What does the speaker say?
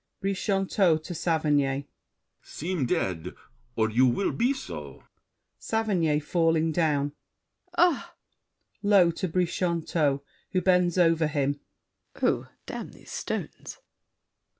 BRICHANTEAU (to Saverny). Seem dead, Or you will be so! SAVERNY (falling down). Ah! [Low to Brichanteau, who bends over him. Oh, damn these stones.